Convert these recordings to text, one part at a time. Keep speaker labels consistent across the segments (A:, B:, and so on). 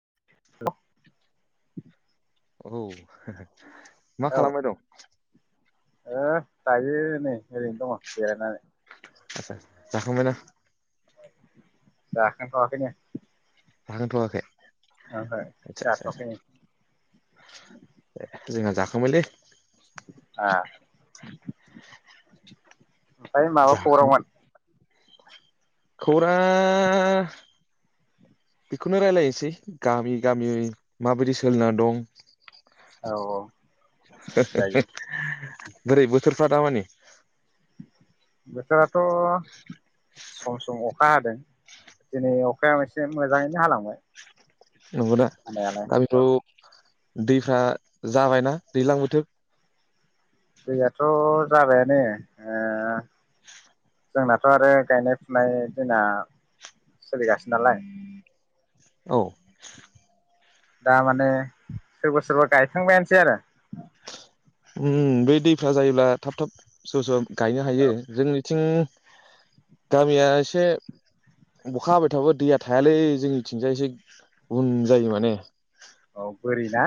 A: द [unintelligible]
B: औ मा खालामबाय दं।
A: ओ दायो नै ओरैनो दंङ जिरायनानै
B: जाखांबायना
A: जाखांथ'आखैनो
B: जाखांथ'वाखै
A: ओं हो
B: आदसा आदसा आदसा
A: जाथ'वाखैनो
B: जोंहा जाखांबायलै
A: आ ओमफ्राय माबा खौरांमोन
B: खौरांआ बेखौनो रायलायनोसै गामि गामि माबायदि सोलिना दं
A: औ औ जायो।
B: बोरै बोथोरफ्रा दा मानि
A: बोथोरा थ, सम सम अखा हादों दिनै अखाया एसे मोजाङैनो हालांबाय
B: नंगौना
A: हानायालाय
B: दा
A: औ
B: बेथ दैफ्रा जाबायना दैज्लां बोथोर
A: दैयाथ' जाबायानो ओ जोंनाथ' आरो गायनाय फुनाय दिना सोलि गासिनो नालाय
B: औ
A: दा माने सोरबा सोरबा गायखांबायानोसै आरो
B: अम बे दैफ्रा जायोब्ला थाब -थाब सोरबा- सोरबा गायनो हायो जोंनिथिं गामिया इसे अखा हाबाय थाबाबो दैया थायालै जोंनिथिंजाय एसे उन जायो माने।
A: औ बोरि ना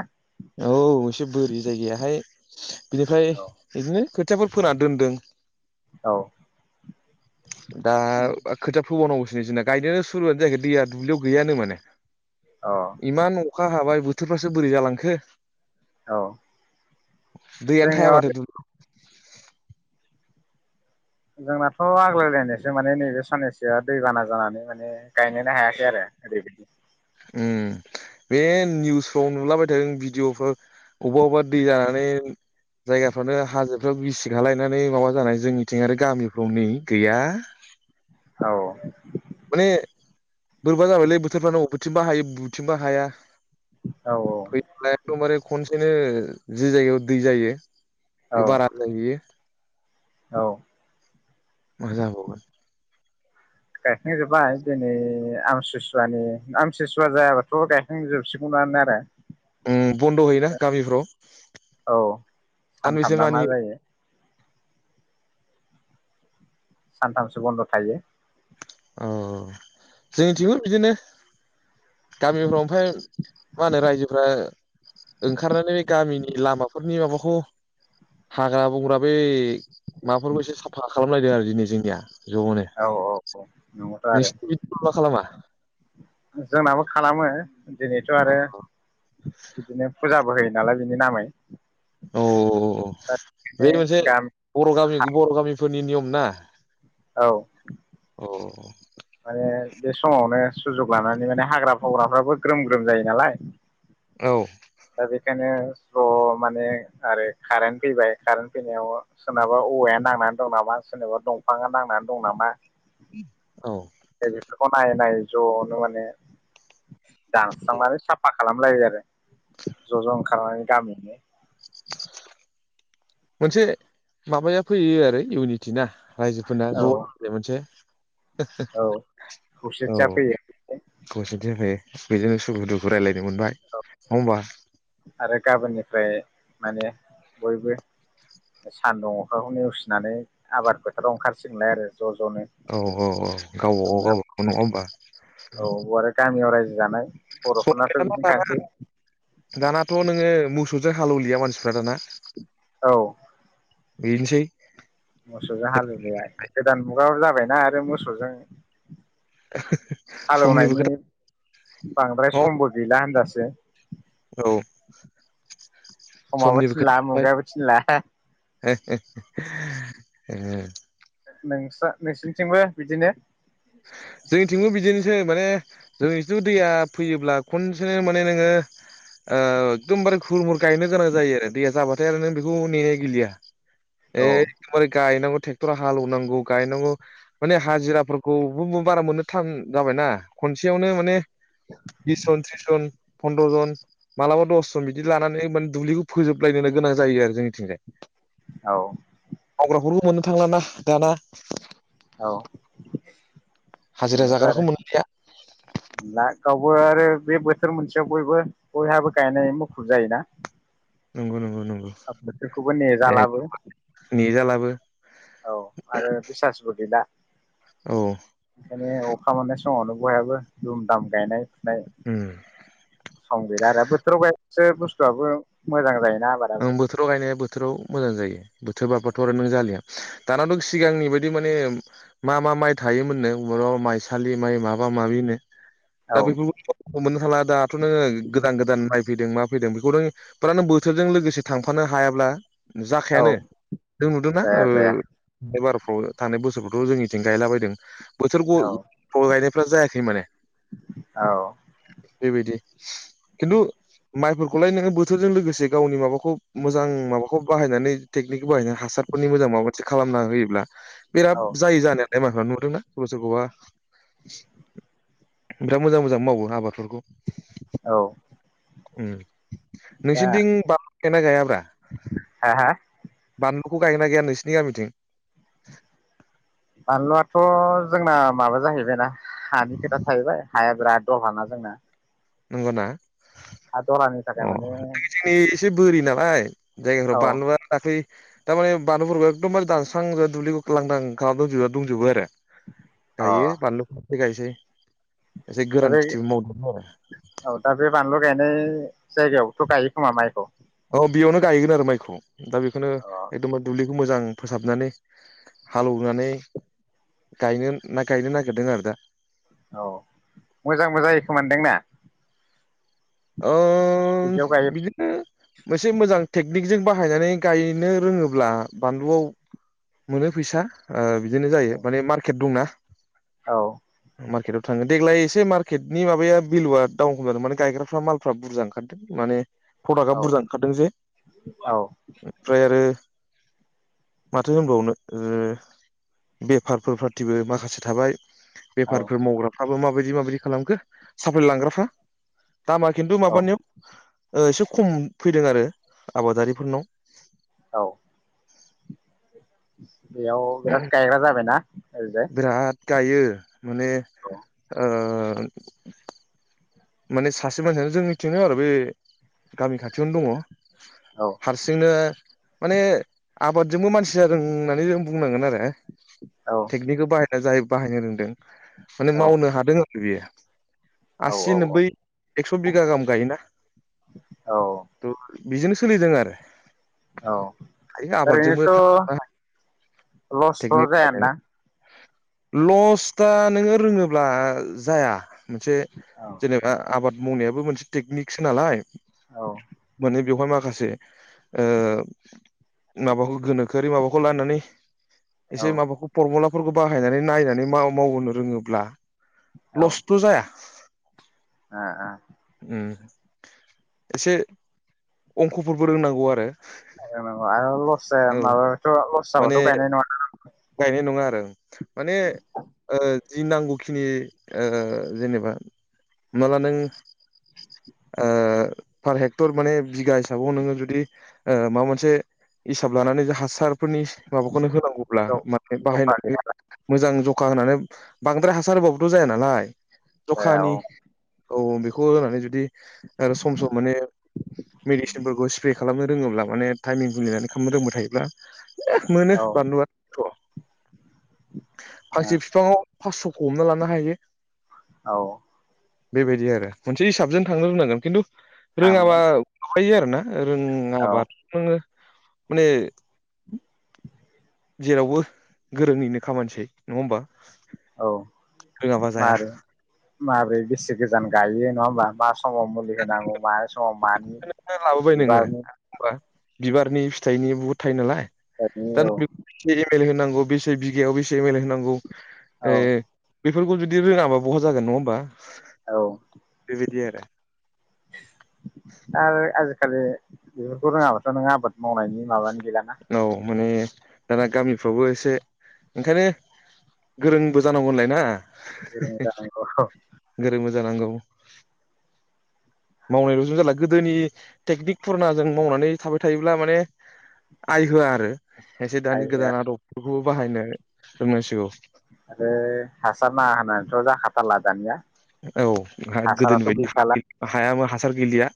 B: औ एसे बोरि जायगायाहाय बिनिफ्राय
A: औ
B: बिदिनो खोथियाफोर फोना दोनदों।
A: औ।
B: दा खोथिआ फोबावनांगौसो जोंना गायनायानो सुरुआनो जायाखै दैया दुब्लियाव गैयानो माने।
A: औ
B: इमान अखा हाबाय बोथोरफ्रासो बोरै जालांखो।
A: औ।
B: दैैआनो थाया
A: जोंनियाव
B: माथो दुब्लियाव
A: जोंनाथ' आग्लायलायनायसो माने नैबे साननैसोआ दैबाना जानानै माने गायनोनो हायाखै आरो ओरैबायदि
B: उम। बे निउसफ्राव नुलाबाय थादों भिदिअफोर अबेबा- अबेबा दै जानानै जायगाफ्रानो हाजोफ्राव बिसि खालायनानै माबा जानानै जोंनिथिं आरो गामिफ्राव नै गैया। [inaudible]
A: औ।
B: माने बोरैबा जाबायलै बोथोरफ्रानो बबेथिंबा हायो बबेथिंबा हाया।
A: औ औ
B: फैलायथ'बारे खनसेनो जि जायगायाव दै जायो
A: औ
B: बे बाराद्राय जाहैयो।
A: औ
B: मा जाबावगोन?
A: गायखांजोब्बाय दिनै आमसुसुवानि -आमसुसुवा जायाबाथ' गायखां जोबसिगौमोन नो आरो।
B: अम बन्द' होयोना गामिफ्राव?
A: औ
B: सानबैसे
A: सानथामना मा
B: मानियो
A: जायो। सानथामसो बन्द' थायो।
B: औ जोंनिथिंबो बिदिनो। गामिफ्राव ओमफाय मा होनो रायजोफोरा ओंखारनानै बे गामिनि लामाफोरनि माबाखौ हाग्रा -बंग्रा बै माफोरखौ एसे साफा खालामलायदों आरो दिनै जोंनिया ज'नो।
A: औ औ नंगौथ' आरो
B: नोंसोरनि बिदि मा खालामा?
A: जोंनाबो खालामो दिनैथ' आरो बिदिनो फुजाबो होयो नालाय बिनि नामै।
B: औ
A: दा बेनो
B: बे मोनसे
A: गामि
B: बर' गामि -बर' गामि फोरनि नियम ना।
A: औ।
B: ओ
A: माने बे समावनो सुजुग लानानै माने हाग्रा- बंवग्राफ्राबो ग्रोम- ग्रोम जायो नालाय।
B: औ।
A: थ' माने आरो कारेन्ट फैबाय कारेन्ट फैनायाव सोरनाबा औवाया नांनानै दं नामा सोरनोबा दंफाङा नांनानै दं नामा
B: औ
A: बेफोरखौ नायै -नायै ज'नो माने दानस्रांनानै साफा खालामलायो आरो। जज ओंखारनानै गामियैनो।
B: मोनसे माबाया फैयो आरो इउनिटि ना रायजोफोरना
A: औ
B: ज' जायो मोनसे।
A: औ
B: हो-हो
A: खौसेथिया
B: औ
A: फैयो
B: खौसेथि होखायो बेजोंनो सुखु -दुखु रायलाय
A: औ आरो गाबोननिफ्राय माने बयबो सान्दुं अखाखौ नेवसिनानै आबाद फोथाराव ओंखारसिगोनलाय आरो। ज' ज'नो
B: औ- औ -औ गावबागाव- गावबागाव नङा होमबा?
A: औ बे गामियाव रायजो जानाय
B: संख
A: बर'फोरनाथ'
B: ना दाना
A: बिदिनोखानोसै
B: दानाथ' नोङो मोसौजों हालेवलिया मानसिफ्रा दाना।
A: औ।
B: बेनोसै।
A: मोसौजों हालेवजाया गोदान मुगाबो जाबायना आरो मोसौजों
B: समनिबो
A: हालेवनायनि
B: खोथा
A: बांद्राय
B: नङा होमबा?
A: समबो गैला होनजासै। [inaudible]
B: औ।
A: समाबो थिनला
B: समनिबो
A: मुगायाबो थिनला
B: खोथा थाबाय [inaudible] [inaudible] [inaudible]
A: नोंस्रा नोंसिनिथिंबो बिदिनो
B: जोंनिथिंबो बिदिनो माने जोंनिथिंथ' दैया फैयोब्ला खनसेनो माने नोङो एकदमबारे हुर-मुर गायनो गोनां जायो आरो दैया जाबाथाय आरो नों बेखौ नेनाय गैलिया।
A: औ
B: एखबारे गायनांगौ ट्रेक्टर हालौनांगौ गायनांगौ माने हाजिराफोर खौ बारा मोननो थान जाबायना खनसेयावनो माने बिस जन थ्रिस जन फन्द्र जन मालाबा दसजन बिदि लानानै माने दुब्लिखौ फोजोबलायनो गोनां जायो आरो जोंनिथिंजाय।
A: औ।
B: मावग्राफोरखौ मोननो थांलाना दाना
A: औ।
B: हाजिरा
A: नंगौथ'
B: जाग्राखौ
A: आरो
B: मोनलिया
A: [inaudible] आरो बे बोथोर मोनसेयाव बयबो बयहाबो गायनाय मुखुब जायोना
B: नंगौ नंगौ नंगौ
A: बोथोरखौबो
B: ए
A: नेजालाबो
B: नेजालाबो।
A: औ आरो बिसासबो गैला
B: औ
A: ओंखायनो अखा मोननाय स मावनो बयहाबो दुम दाम गायनाय फुनाय
B: उम
A: सम गैला आरो बोथोराव गाय बासो बुस्थुआबो मोजां जायो।
B: ओं बोथोराव गायनाया बोथोराव मोजां जायो बोथोर बारबाथ' आरो नों जालिया। दानाथ' सिगांनि बायदि माने मा मा माइ थायोमोननो माइसालि माइ माबा माबिनो
A: औ
B: दा बेफोरखौ मोननो थांला दा थ' नोङो गोदान गोदान माय फैदों मा फैदों बेखौ नों फुरा नों बोथोरजों लोगोसे थांफानो हायाब्ला‌ जाखायानो
A: औ
B: नुदोंना
A: जाया जाया
B: एबार थांनाय बोसोरखौथ' जोंनिथिं गायला बायदों बोथोर
A: औ
B: गदाय गायनायफ्रा जायाखै माने
A: औ।
B: बेबायदि खिन्थु माइफोरखौलाय नोङो बोथोरजों लोगोसे गावनि माबाखौ मोजां माबाखौ बाहायनानै टेकनिकखौ बाहायनानै हासारफोरनि मोजां माबा मोनसे खालामना होयोब्ला
A: औ
B: बिराद जायो जानायालाय मायफ्रा नुदोंना सोरबा सोरखौबा बिराद मोजां मोजां मावो आबादफोरखौ।
A: औ। दा
B: नोंसिनिथिं बामलु गायना गायाब्रा?
A: हा हा?
B: बानलुखौ गायगोना गैया नोंसिनि गामिथिं?
A: बानलुआथ' जोंना माबा जाहैबायना हानि खोथा थाहैबाय हाया बिराद दलहाना जोंना।
B: नंगौना?
A: हा दलहानि थाखाय
B: अ
A: माने
B: जोंनि एसे बोरि नालाय जायगाफोराव
A: औ
B: बानलुआ दाख्लै थारमाने बानलुफोरखौ एखदमबारे दानस्रां दुब्लिखौ लांदां खालामना दंजोबो आरो
A: अ
B: गाइयो बानलुखौबो गायसै। एसे
A: दा
B: गोरान
A: बे
B: खेथिबो मावदोंमोन आरो।
A: औ दा बे बानलु गायनाय जायगायावथ' गाइयो खोमा माइखौ?
B: औ बेयावनो गायगोन आरो माइखौ दा बेखौनो
A: अ
B: एकदमबारि दुब्लि खौ मोजां फोसाबनानै हालेवनानै गायनो ना गायनो नागिरदों आरो दा
A: औ मोजांबो जायो खोमदोंना
B: ओम बिदिनो मोनसे मोजां थेग बिग जों बाहायनानै गायनो रोङोब्ला बानलुआव मोनो फैसा बिदिनो
A: औ
B: जायो माने मार्केट दंना
A: औ
B: मार्कटआव थाङो देग्लाय एसे मार्केटनि माबाया बेलुआडाउन खम जादों मान गायग्रा फ्रा मालफ्रा बुरजा ओंखारदों माने प्रडाक्टआ बुरजा ओंखारदों जे
A: औ
B: ओमफ्राय आरो माथो होनबावनो बेफारफोर फ्राथिबो माखासे थाबाय
A: औ
B: बेफारफोर मावग्राफ्राबो माबायदि माबायदि खालामखो साफाय लांग्राफ्रा दामा खिन्थु
A: औ
B: माबानियाव एसे खम फैदों आरो आबादारिफोरनाव
A: औ बेयाव बिराद गायग्रा जाबायना ओरैजाय
B: बिराद गायो माने
A: औ
B: ओ माने सासे मानसियानो जों मिथिनो आरो बे गामि खाथियावनो दङ
A: औ
B: हारसिंनो माने आबादजोंबो मानसि जादों होननानै जों बुंनांगोन आरो
A: औ औ
B: टेकनिकखौ बाहाय ज बाहायनो रोंदों माने मावनो हादों आरो बेयो आ दिनो
A: औ
B: बै एक्स' बिगा गाहाम गायोना
A: औ
B: बिजोंनो सोलिदों आरो
A: औ
B: हायो आबादजोंबो थांना
A: ओरैनोथ'
B: थानो हायो
A: लसथ' जाया दां
B: लस दा नोङो रोङोब्ला जाया मोनसे
A: औ
B: जेनेबा आबाद मावनायाबो मोनसे टेकनिकसो नालाय
A: औ
B: माने बेवहाय मा माखासे ओ माबाखौ गोनोखोआरि माबाखौ लानानै
A: औ
B: एसे
A: ओ
B: माबाखौ फरमुलाफोरखौ बाहायनानै नायनानै मावनो रोङोब्ला लसथ' जाया
A: अ अ
B: उम एसे अंखफोरबो रोंनांगौ आरो
A: आरो लस जाया
B: औ
A: माबाथ' लस जाबाथ' गायनाय नङा ना रावबो
B: औ माने ओ जि नांगौखिनि ओ जेनेबा होमनाला नों ओ पार हेक्टर माने बिगा हिसाबाव नोङो जुदि ओ माबा मोनसे हिसाब लानानै जे हासारफोरनि माबाखौनो होनांगौब्ला
A: नङा
B: माने
A: जखा
B: बाहायनानै मोजां ज अखा होनानै बांद्राय हासार होबाबोथ' जाया नालाय
A: जाया
B: जखानि
A: औ
B: औ औ बेखौ होनानै जुदि आरो सम सम माने मेडिसिनफोरखौ स्प्रे खालामनो रोङोब्ला माने टाइमिं गुलिनानै खालामनो रोंबाय थायोब्ला मोनो
A: औ
B: बानलुआथ' फांसे बिफांयाव फास्स'खौ हमना लानो हायो।
A: औ
B: बेबायदि आरो मोनसे हिसाबजों थांनो रोंनांगोन खिन्थु रोङाबा
A: थांनांगोन
B: माबायो आरो ना।
A: औ
B: रोङाबाथ' नोङो माने जेरावबो गोरोंनिनो खामानिसै नङा होमबा
A: औ
B: रोङाबा जाया
A: मारै माब्रै बेसे गोजान गायो नङा होमबा मास समाव मुलि होनांगौ मानो समाव मानि
B: लाबोबाय नोङो
A: बिबारनि
B: होमबा बिबारनि फिथाइनि बहुद थायो नालाय दा नों
A: औ
B: बेखौ [unintelligible] होनांगौ बेसे बिघायाव बेसे एम एल होनांगौ
A: औ
B: ए बेफोरखौ जुदि रोङाबा बहा जागोन नङा होमबा
A: औ
B: बेबायदि आरो
A: आरो आजिखालि बेफोरखौ रोङाबाथ' नों आबाद मावनायनि माबानि
B: औ माने दाना गामिफ्रावबो एसे ओंखायनो गोरोंबो जानांगौ होनलाय ना।
A: गोरों जानांगौ
B: गोरोंबो जानांगौ। मावनायलजों जाला गोदोनि टेकनिक फुरना जों मावनानै थाबाय थायोब्ला माने आइ होआ आरो एसे
A: आइ
B: दानि
A: होआ
B: गोदान आदबफोरखौबो
A: औ
B: बाहायनो रोंनांसिगौ।
A: आरो हासार नाङा होनानैथ' जाखाथारला दानिया।
B: औ गोदोनि
A: हासाराथ' गैखाला
B: बायदिनो [unintelligible] हाया हासार गैलिया।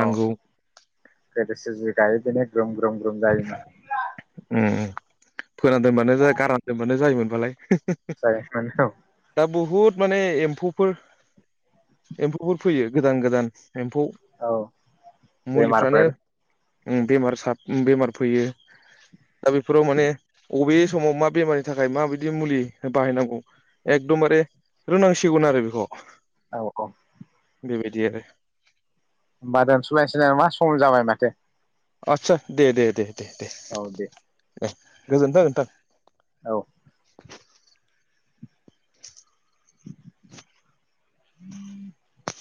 B: नांगौ।
A: लोगोसे जि गायो बेनो ग्रुम ग्रुम ग्रुम जायोमोन
B: उम फोना दोनबानो जा गारना दोनबानो जायोमोनबालाय।
A: जायोमोन औ।
B: दा बुहुद माने एम्फौफोर एम्फौफोर फैयो गोदान गोदान। एम्फौ
A: औ
B: मुलिफ्रानो
A: बेमारफोर
B: उम बेमार सा बेमार फैयो दा बेफोराव माने अबे समाव मा बेमारनि थाखाय माबायदि मुलि बाहायनांगौ एकदमबारे रोंनांसिगौन आरो बेखौ।
A: औ औ
B: बेबायदि आरो
A: होमबा दोनसुलाय नामा सम जाबाय माथो।
B: आस्सा दे दे दे दे दे
A: औ दे
B: दे गोजोनथों नोंथां।
A: औ [inaudible]